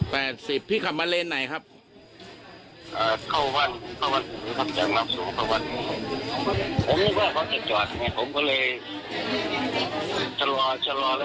แปดสิบพี่ขับมาเล่นไหนครับอ่าเข้าว่าง